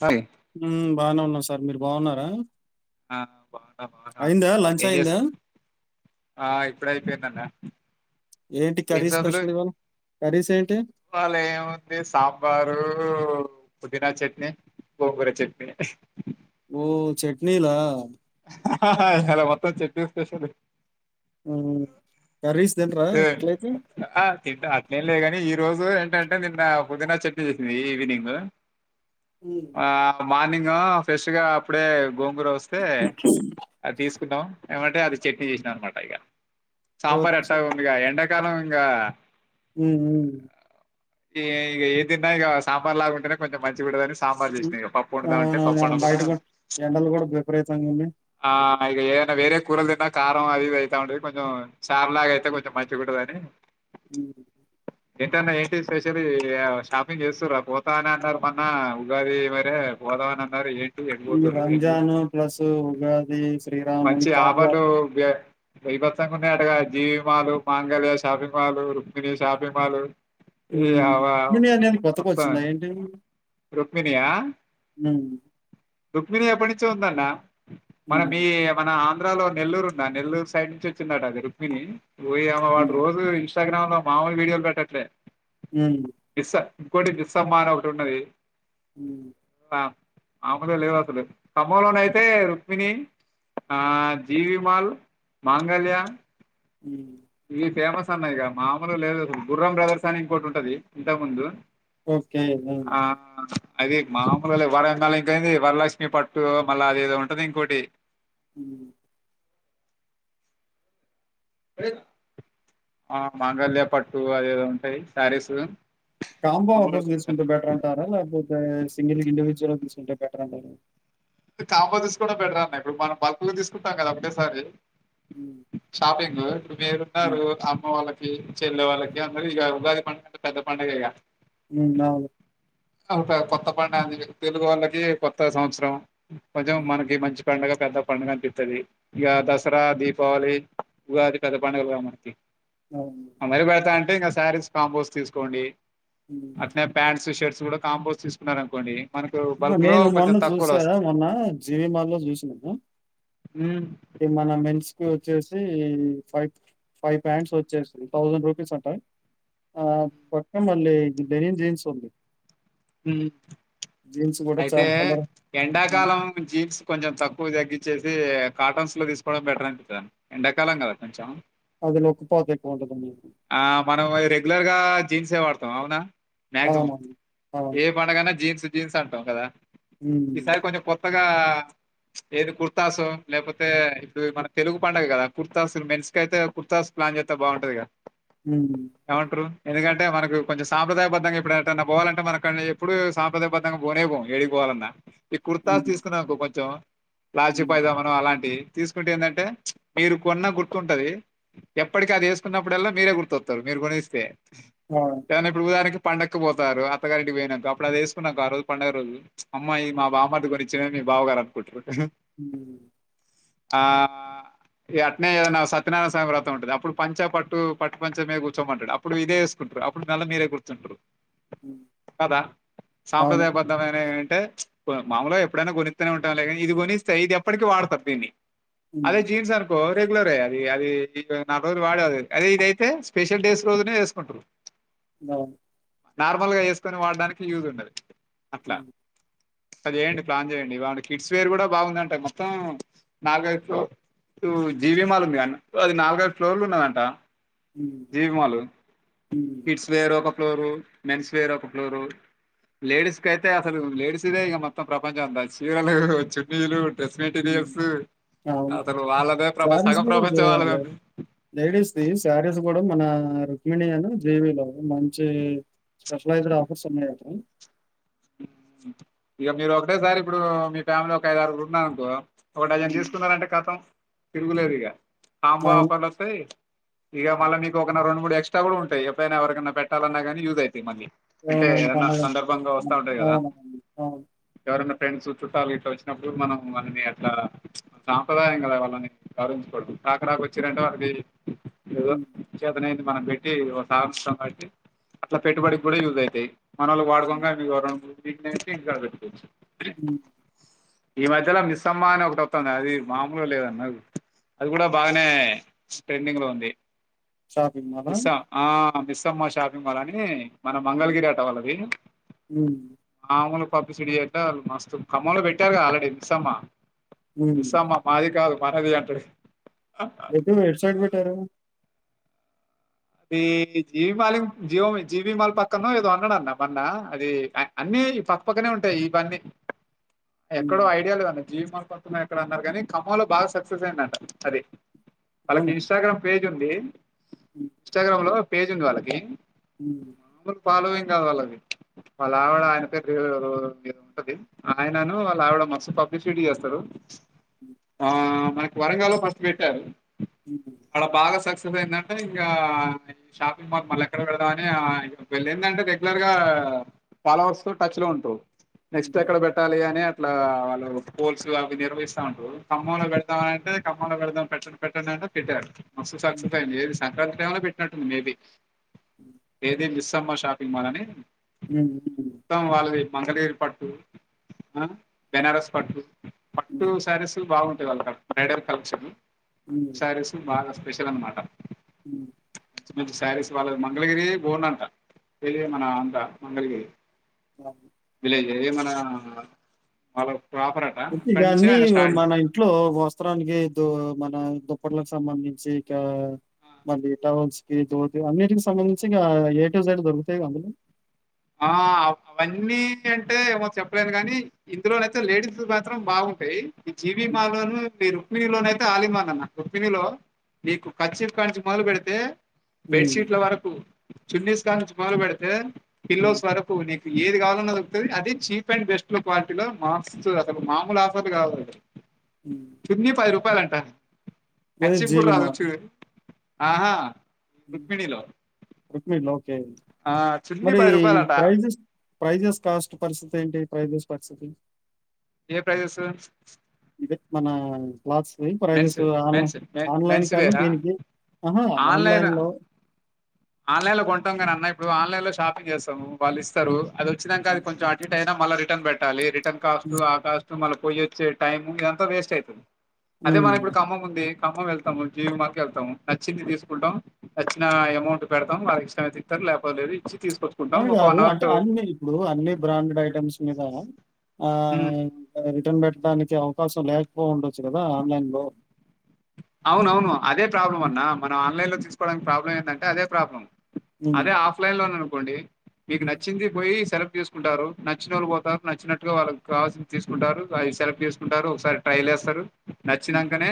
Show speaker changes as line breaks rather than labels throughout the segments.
అ
బాగానే ఉన్నాం సార్ మీరు బాగున్నారా
ఆ బాగా బాగా
అయిందా లంచ్
ఏం చేసు
అయిందా
ఆ ఇప్పుడ అయిపోయిందన్న
ఏంటి
ఏం
కర్రీ
సంగతులు
స్పెషల్ ఇవాళ కర్రీస్ ఏంటి
చెప్పాలి ఏముంది సౌకారు పుదీనా చట్నీ కొబ్బరి చట్నీ
ఓ చట్నీ నా
హ హ మొత్తం చట్నీ స్పెషల్
మ్మ్. కర్రీస్ తినరా
ఏ
ఎట్లయితే
ఆ తింటా అట్లేం లే కాని ఈ రోజు ఏంటం అంటే నిన్న పుదిన చట్నీ తీసింది ఈవినింగ్
మ్మ్.
ఆ మానింగ్ ఆ ఫ్రెష్ గా అప్పుడే గోంగూర వస్తే అ తీసు చాం ఏమంటే అది చట్నీ చేసిన అనమాట ఇక
ఓ
సాంబార్ ఎట్టా ఉందిగా ఎండ కారంగా
ఉమ్ ఉ
ఈ ఏ తిన్నా ఇక సాంబార్ లాగాంటేనే కొంచెం మంచిగుంటదని సాంబార్
ఉ
చేసినా ఇగ పప్పు వండుదామంటే
అవును
పప్పు వండకుండా
బయట కూడా ఎండలు కూడా విపరీతంగా ఉంది
ఆ ఇక ఏదైనా వేరే కూరలు తిన్నా కారం అదిది అయిత ఉంటది కొంచెం చార్లాగా అయితే కొంచెం మంచిగాగుంటదని
హ
ఏంటన్నా ఏంటి స్పెషల్లీ షాపింగ్ చేస్తార పోతా అని అన్నారు మొన్న ఉగాది మరే పోతామని అన్నారు ఏం
ఈ రంజాన్ ప్లస్ ఉగాది శ్రీరామని
మంచిక
కాంబో
ఆఫర్లు
ఆఫర్.
బిబత్సంగ ఉన్నాయంటగా జీవి mall Mangalya shopping mall Rukmini shopping mall ఈ
ఉమ్
అవ్వ
రుక్మిణి అనే కొత్తగా
మొత్తం
వచ్చిందా ఏంటి ఉమ్
రుక్మిణియా రుక్మిణిది ఎపటినుంచో ఉందన్నా మన
మ్మ్,
మీ మన ఆంధ్రాలో నెల్లూరు ఉందా నెల్లూరు సైడ్ నుంచి వచ్చింది అట అది రుక్మిిణి ఓయమ వాడు
మ్మ్,
రోజు ఇ ఇంస్టాగ్రామ్ లో మామూ వీడియోలు పెట్టట్లే
ఉమ్
మిస్ ఇంకోటి దిస్సమ్మా అని ఒకటి ఉన్నది
ఉమ్
ఆమెదే లేదు అసలు ఖమ్మంలోనే అయితే రక్మణి ఆ జీవి మాల్ మాంగళ్యా
ఉమ్
ఇవి ఫేమస్ అన్నాయిక మామూలు లేదు గుర్రం బ్రదర్స్ అని ఇంకోటి ఉంటది ఇంతకు ముందు
ఓకే ఉమ్
ఆ అది మామూలు వరందళ ఇంకైంది వరలక్ష్మి పట్టు మళ్ళా అది ఏదో ఉంటంది ఇంకోటి
హ
ఆ మాంగళ్యా పట్టు అద ఏదో ఉంటాయి శారీస్
కాంబో ఆఫర్స్
మామూలుగా
తీసుకుంటే బెటర్ అంటారా లేకపోతే సింగిల్ ఇండివిజువల్ తీస్ కుంటే బెటర్ అంటారా
కాంబో తీసుకోడం బెటర్ అన్నా ఇప్పుడు మనం బల్క్ లో తీసుకుంటాం కదా ఒకేసారి
హ్మ్.
షాపింగ్
హ్మ్.
వేరున్నారు అమ్మ వాళ్ళకి కి చెల్లే వాళ్ళకి అందరికి ఇగ ఉగాది పంట పెద్ద పండగేగా
ఉ అవును
ఒక కొత్త పండుగ అది తెలుగు వాళ్ళకి కొత్త సంవత్సరం కొంచెం మనకి మంచి పండుగ పెద్ద పండుగ అనిపిస్తది ఇక దసరా దీపావళి ఇ అది పెద్ద పండుగలుగా మనకి
అవును.
అమరి బడతా తే ఇంకా శారీస్ కాంపోస్ తీసుకోండి
హ్మ్.
అట్నే పాంట్స్ షర్ట్ కూడా కాంపోస్ తీసుకున్నారు అనుకోండి
నేను మొన్న చూసాదా మొన్న జీవిమా లో చూసినను
ఉమ్,
ఈ మన మెన్స్ కు వచ్చేసి ఫైవ్ ఫైవ్ ప్యాంట్స్ వచ్చేస్తు థౌజండ్ రూపీస్ అంటా ఆ పక్కన మళ్ళీ లెనిన్ జీన్స్ ఉంది
హ
జీన్స్ కూడా
అయితే
చాలా కలర్ ఆ!
ఎండాకాలం జీప్స్ కొంచెం తక్కువ తగ్గించేసి ది కాటన్స్ లో తీసుకోవడం బెటర్ అనిపిస్తాది ఎండాకాలం కదా కొంచెం
అది నొక్కిపోత ఎక్కువ ఉంటదని.
ఆ మనం రెగ్యులర్ గా జీన్సే వాడుతాం అవునా
అ అ
ఎ జీన్స్ జీన్స్ అంటాం కదా ఇ
హ్మ్.
సార్ కొంచం కొత్తగా ఏది కుర్తాసు లేకపోతే ఇప్పుడు మన తెలుగు పండుగ కదా కుర్తాసు మెన్స్ కి అయితే కుర్తాస్ ప్లాన్ చేస్తే బాగుంటది కదా
హ
ఏమంటారు? ఎందుకంటే మన కొంచె సాంప్రదాయబద్ధగాప్పుడు ఎటు ఐన పోవాలంటే అక్క ఎప్పుడు సాంప్రదయబద్ద్దంగా పోనే పో ఏడిగిపోవాలన్నాా ఈ కుర్తాస్
హ్మ్.
తీసుకున్నాకు కొంచెం లాచిపయి
హ్మ్.
జామ అలాంటి తీసుకుంటే ఏంటంటే మీరు కొన్నా గుర్తుంటుంది ఎప్పటికీ అది వేసుకున్నప్పుడుఎల్లా మీరే గుర్తొస్తారు మీరు కోనిస్తే
అవును.
దను ఇప్పుడుదానికి పండకు పోతారు అత్తగారెడ్కి పోయినాక అడు అది వేసుకున్నాకు ఆ రోజు పడుగ రోజు అమ్మాయి మా బామడుకి కొచ్చిన మీ బావ గారు అనుకుంటారు
హ
ఆ ఈ అట్నే ఏదన్నా సత్యనారాయణ స్వామి వ్రతం ఉంటుంది అప్పుడు పంచ పట్టు పట్టు పంచ మీద కూర్చోమంటాడు అప్పుడు ఇదే వేసుకుంటారు అప్పుడు నెల మీరే కూర్చుంటారు
హ్మ్.
కదా
అవును.
సాంస్ప్రదాయబద్ధమేన అంటే మామూలుగా ఎప్పుడైనా కొనిస్తూనే ఉంటాం లేనీ ఇది కొనిస్తాయి ఇది ఎప్పటికీ వాడతారు దీన్ని అదే
హ్మ్.
జీన్స్ అనుకో రెగ్యులర్ అది అది నా రోజు వాడ అదే ఇదైతే స్పెషల్ డేస్ రోజునే వేసుకుంట్రారు
బ
నార్మల్ గా వేస్త కొని వాడడానికి యూజ్ ఉండదు అట్లా
హ్మ్.
అదిేయండి ప్లాన్ చేయండి బాగుే కిడ్స్ వేర్ కూడా బాగుందింట మొత్తం నాలుగైదు ఫ్లోర్ టూ జీవిమాల్ ఉంది అది నాలుగైదు ఫ్లోర్లు ఉన్నదంట
హ్మ్.
జీవి మలు
హ్మ్.
కిడ్స్ వేరు ఒక రు మెన్స్వీరా ళూరు లేడీస్ క అయితే అసలు లేడీస్ ఇదే ఇక మొత్తం ప్రపంచం అంతా చీరలు చున్నీలు రస్
హ్మ్.
రియస్
అవును.
అతలు వాళ్ళదే ప్రప
శారీస్
సగం
గూడా
ప్రపంచ
లే
వాళ్ళదండి
కూడా మన రుక్మిణి అని దేవిలో మంచి స్పెషలైజడ్ ఆఫర్స్ ఉన్నాయిత్ర
ఇక మీరు ఒకటేసారి ఇప్పుడు మీ ఫ్యామిలీ ఒక ఐదు ఆరు ఉన్నారనుకో ఒకటిను
హ్మ్.
తీసుకున్నారంటేఖతం తిరుగులవరిగా ఆంబో
అవును.
ఆఫర్ వస్తాయి ఇక
హ్మ్.
మళ్ళా నీకు ఒక రెండు మూడు ఎక్ట్రా కూడా ఉంటా ఎైనా ఎవరిైనా పెట్టాలన్నానీయూ్ అవుతయి మళీ
అవునును అవును అవు
ఎవరనా ఫ్రెండ్స్ చుట్టాలు ఇట్లా వచ్చినప్పుడు మనం వాళ్ళని అట్లా సాంప్రదాయం కదా వాళ్ళని గౌవించుకవడదు కాకడాక వచ్చిరంటే వాళ్ది అ
హ్మ్.
చేదన మనం పెట్టి ఒక సంవత్సరం బట్టి అట్లా పెట్టుబడికి కూడా యూజ్ అవుతాయి మనలు వాడుకుండా మీవరలు ఇనే ఇంకాబ
అ
ఈ మధ్యలో మిస్ అమ్మ అని ఒకటోతంది అది మామూలు లేదన్న అది కూడా బాగానే ట్రెండింగ్ లో ఉంది
షాపింగ్ మల్
మిస్స ఆ మిస్సమ్మ షాపింగ్ మాల్ అని మన
హ్మ్.
మంగళగిరి అట్ట వాళ్ళది
హ్మ్.
మామూలు పబ్లిసిటీ అంటా మస్తు ఖమ్మంలో పెట్టారు కదా ఆల్రెడీ మస్అమ్మా
హ్మ్.
మీసమా మాది కాల మనది అంటే
ఎద హడ్సైడ్ పెట్టారు
అది జీవిమాలింగ్ జీబిమాల్ పక్కన ఏదో అన్నాడన్న మన్న అది అన్నిీ పక్కపక్కనే ఉంటాయి ఇవన్నీ
హ్మ్.
ఎక్కడో ఐడియా లేదం జీవి మాల్ ఎక్కడ అన్నారు కానీ ఖమ్మం లో బాగా సక్సెస్ అయిందంట అది అళ్ళకి
అవునా?
ఇన్స్టాగ్రామ్ పేజ్ ంది ఇన్స్టాగ్రామ్ లో పేజ్ ఉంది వాళ్ళకి
హ
మామూలు ఫాలోయింగ్ కాదు వాళ్ళ అది వాళ్ళ ఆయనతో ఉంటది ఆయనను వాళ్ళ ఆవిడ మస్తు పబ్లి సీటీ చేస్తారు ఆ మనకి వరంగాల్లో ఫస్ట్ పెట్టారు
హ్మ్.
అడ బాగా సక్స [inaudible] ఇం ఈ షాపింగ్ మాల్ మళ్ళీ ఎక్కడ వెడదామని వెళ్ళ ఏంటంటే రెగ్యులర్ గా ఫాలోవర్స్ తో టచ్ లో ఉంటావు నెక్స్ట్
హ్మ్.
ఎక్కడ పెట్టాలి అనే అట్లా వాళ్ళు పోల్స్ అవి నిర్వహస్తా ఉంటారు ఖమ్మంలో పెడదాం అంటే ఖమ్మంలో పెడదాం పెట్టండి పెట్టండి అంటే పెట్టారు మస్త్
హ్మ్.
సక్సెస్ అయింది సంక్రాంతి టైంలో పెట్టినట్టుంది మేబీ బేబీ మిస్ మ్ షాపింగ్ మాల్ అని
హ
మొత్తం వాళ్ళది మంగళగిరి పట్టు బెనారస్ పట్టు పట్టు
హ్మ్.
సారీసులు బాగుంటంది మేడ కల్షా సిరీస్ కి బానే స్పెషల్ అన్నమాట
హ
మంచి మంచి శారీస్ వాళ్ళ మంగళగిరి బోన్ అంట తెలియ మన అంట మంగళగిరి
అ
ఏ మన వాళ్ళ ప్రాపర్ అట
ఇగ
అక్కడి నుంచే
అన్నీ
ఆయన స్టార్ట్ చేస్
మన ఇంట్లో వస్త్రానికి దొ మన దుప్పట్లు సంబంధించి ఇక మళ్ళి టౌవల్స్ కి దోతికి సంబంధించి అన్నిటికి సంబంధించి ఇగ ఏ ట సైడ్ దొరుకుతయి కదా అందులో
ఆ అవన్నీ అంటే ఏమో చెప్పలేను గాని ఇందులోనైయితే లేడీస్ మాత్రం బాగుంటయి. ఈ జీవి
హ్మ్.
మాలు లోలు మీరు రుక్మినిలోన అయితే ఆలి ఇన్ వన్ అన్నా రుక్మినిలో మీకు కర్చిప్ కాడి నుంచి మొదలు పెడితే బెడ్
హ్మ్.
షీట్ల వరకు చున్నీస్ కానుంచి మొదలు పెడితే
హ్మ్.
పిల్లోస్ వరకు నీకు ఏది కావాలన్నా దొరుకుతది అది చీప్ అండ్ బెస్ట్ క్వాలిటీ లో మాస్త్ అసలు మామూలు ఆఫర్లు కావుఅవి.
హ్మ్.
చున్ని పది రూపాయలం ట
ఏది
కర్చిప్ కూడ
జీవి మార్ట్.
రాదుకావచ్చు. ఆహా రుక్మిణిలో
రుక్మినిలో ఓకే
ఆ చున్నీ
మరి
పది రూపాయలట
ప్రైజ్ ప్రైజెస్ కాస్ట్ పరిస్థితి ఏంటి ప్రైజెస్ పరిస్థితి
ఏ ప్రైజెస్
ఇదే మన క్లాత్స్ వి prices
men's
ఆన్లై
men's
online
men's
కాను
వేరా
దీనికి ఆహ ఆన్లైన్ లో
ఆన్లైన్ లో కొంటాం కనీ అన్న ఇప్పుడు ఆన్లైన్ లో షాపింగ్ చేస్తము, వాళ్ళ ఇస్తరు
హ్మ్.
అది వచ్చినంకా అది
హ్మ్.
కొంచెం అటు ఇటు అయినా మళ్ళ రిటర్న్ పెట్టాలి. రి ఇంటర్ కాస్టు
హ్మ్.
ఆ కాస్టు మళ్ళ పోయచ్చే టైమ్ ఇదంతా వేస్ట్ అయితుంది. అదే మన
హ్మ్.
ఇప్పుడు ఖమ్మం ఉంది. ఖమ్మం వెళ్తాము జీ. వి మాళ్కి వెళ్తము నచ్చింది తీసుకుంటాం, నచ్చిన అమౌంట్ పెడతాం వారికి ఇష్టమైతే తింటరు లేకపోలేదు ఇచ్చి
నువ్వు
తీసుకొచ్చుకుంటాం
అని
ఒక
కాదు
వన్ అవర్
అంటే అన్ని ఇప్పుడు అన్ని బ్రాండెడ్ ఐటమ్స్ మీద ఆ
టూ
రిటర్న్ పె ట్టడానికి అవకాశం లేకపోయి ఉండొచ్చు కదా ఆన్లైన్ లో
అవును అవును అదే ప్రాబ్లం అన్నా మనం ఆన్లైన్లోంచి తీసుకోడానికి ప్రాబ్లం ఏంటే అదే ప్రాబ్లం.
హ్మ్.
అదే ఆఫ్లైన్ లో కొన్నాను కోండి మీకు నచ్చింది పోయి సె తీసుకుంటారు నచ్చిన వాళ్ళు పోతారు నచ్చినట్టుగా వాళ్ళు కావాల్సింది తీసుకుంటారు అ సెలెక్ట్ చేసుకుంటారు ఒకసారి ట్రైల్ చేస్తారు
హ్మ్.
నచ్చినాకనే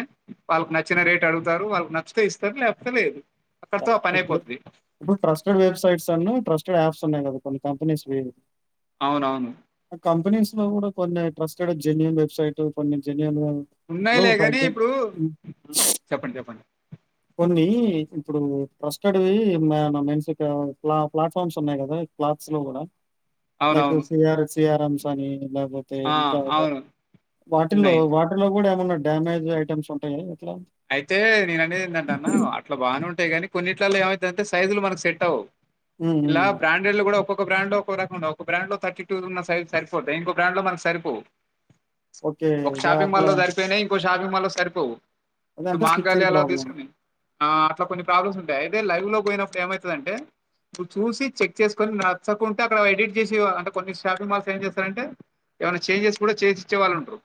వాళ్ళకి నచ్చిన రేట్ అడుగుతారు వాళ్ళకి నచ్చితే ఇస్తారు లేకపోతే లేదు అక్కడితో
ర
ఆ
ఇ
పనయిపోతది.
ఇప్పుడు ట్రస్టెడ్ వెబ్సైట్స్ అన్న ట్రస్ యాప్స్ ఉన్నాయి కద కొన్ని కంపెనీస్
అవునవును
కూడా కొన్ని ట్రస్టెడ్ జెన్యూన్ వెబ్సైట్ కొన్ని జెన్యూన్ ఇప్పుడు
ఉన్నాయిలే
ఫర్
ని
ఎగ్జాంపుల్
ఇప్పుడు
హ్మ్.
చెప్పండి చెప్పండి
కొన్ని ఇప్పుడు ట్రస్టెడ్వి మన్స్ ప్లాట్ఫామ్స్ ఉన్నాయి కదా క్లాత్స్ లో కూడా లైక్
అవునవును.
వసయారు ఆరమ్సాని లేకపోతే
ఆ!
ఇంకా
అవును.
వాటిల్లో
ఉన్నాయి.
వాటిలో కూడా డడామేజ్ ఐటమ్స్ ఉంటాయి ఇట్లా
అయితే నేన అనేది ఏంట అన్న అట్లా బానే ఉంట అంటే కానీ కొన్నిట్లలో ఏమవు అందే సైజులునకు సెట్ అవు
హ్మ్.
ఇలా
హ్మ్.
బ్రాండెడ్ కూడా ఒక్కొక్క బ్రాండ్ ఒక రకం ఒక బ్రాండ్ లో థర్టీ టూ ఉన్న సైజ్ సరిపోతుంది ఇంకో బ్రాండ్ లో మనకు సరిపోవు
ఓకే.
ఒక
ఇగ
షాపింగ్ మాల్
అట్లా
లో సరిపోయినాయి కో షాపింగ్ మాల్ లో సరిపోవు ఇప్పుడు
అదంటే
మాంగాల్య
స్టిచ్చింగ్
లో
ప్రాబ్లమ్.
తీసుకుని ఆ అట్లా కొన్ని ప్రాబ్లమ్స్ ఉంటాయి అదతే లైవ్ లో పోయినప్పుడు ఏమవుతదంటే నువ్వు చూసి చెక్ చేసుకుని నచ్చకుంటే అక్కడ ఎడిట్ చేసి అంటే కొన్ని షాపింగ్ మాల్స్ ఏం చేస్తారంటే ఏమైనా చేంజెస్ కూడా చేసి ఇచ్చేవాళ్ళు ఉంటారు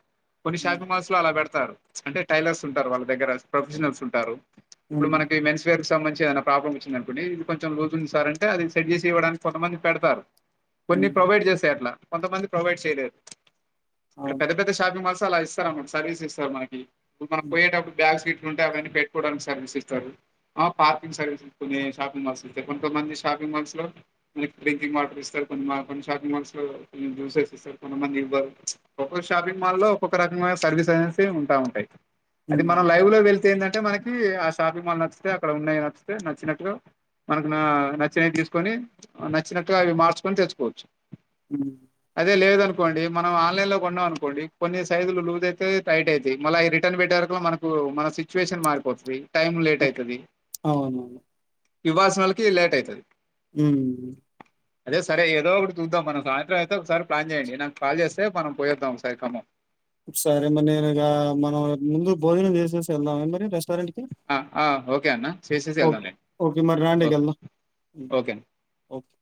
కొన్ని
హ్మ్.
షాపింగ్ మాల్స్ లో అలా పెడత తారు అంటే టైలర్స్ ఉంటారు వాళ్ళకి దగ్గర ప్రొఫెషనల్స్ ఉంటారు ఇప్పుడు
హ్మ్.
మనకి మెన్స్వేర్ ఇక మంచి ఏదై ప్రాబ్లమొచ్చింది అనుకోండి ఇది కొంచం లోజ్ ఉంది సార్ అంటే అది సెట్ చేసి ఇవ్వడానికి కొంతమంది పెడతారు
హ్మ్.
కొన్ని ప్రొవైడ్ చేసాయి అట్లా కొంతమంది ప్రొవైడ్ చేయలేరు అ
అవును.
పెద్ద పెద్ద షాపింగ్ మాల్స్ అలా ఇస్తారమ అమ్మా సర్వీస్ ఇస్తారు మనకి ఇప్పుడు మనం
హ్మ్.
పోయేటప్పుడు బ్యాక్ సీట్లు ఉంటయి అవన్నీ పెట్టుకోవడానికి సర్వీస్ ఇస్తారు ఆ పార్కింగ్ సర్వీస్ ఉంటుంది కొన్ని షాపింగ్ మాల్స్ ఇస్తయి కొమంది షాపింగ్ మాల్స్ లో డ్రింకింగ్ వాటర్ ఇస్తారు కొన్ని షాపింగ్ మాల్స్ లో కొ జ్యూసెస్ ఇస్తారు కొంతమంది ఇవ్వరు ఒక్కొ షాపింగ్ మాల్ లో ఒక్కొక్క రకమైన సర్వీస్ అనే ఉంటా ఉంటాయి అది మనం
హ్మ్.
లైవ్ లో వెళ్తే ఏంద టే మనకి ఆ షాపింగ్ మాల్ నచ్చితే అక్కడ ఉన్నాయి నచ్చితే నచ్చినట్టు గా మనకు నచ్చినవి తీసుకొని నచ్చినట్టుగా అవి మార్చుకొని తెచ్చుకోవచ్చు
ఉమ్
టే లేదనుకోండి మనం ఆన్లైన్ లో కొన్నాం అనుకోండి కొన్ని సైుజులు లూజ్ అయితయి టైట్ అయితయి మళ్ళీ అవి రిటర్న్ పెట్టారు సో మనకు మన సిచ్యువేషన్ మారిపోతది టైం లేట్ అయితది
అవును
ఇవ్వాల్సినోల్లకి లేట్ అయితది
ఉమ్
అదే సరే ఏదో ఒకటి చూద్దాం మనం సాయంత్రం అయితే ఒకసారి ప్లాన్ చేయండి నాకు కాల్ చేస్తే మనం పోయొద్దాం ఒకసారి కమ్మం
సరే మరి నేను ఇగ మనం ముందు భోజనం చేసేసి వెళ్దాం మరి రెస్టారెంట్
ఆ ఆ ఓకే అన్న చేసేసి వెళ్దాం
ఓకే.
లే
ఓకే. మరి రాండి
ఓకే
ఇగెళ్దాం. హ్మ్.
ఓకే అన్
ఓకే.